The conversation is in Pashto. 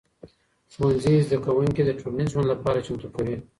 ښوونځي زدهکوونکي د ټولنیز ژوند لپاره چمتو کوي.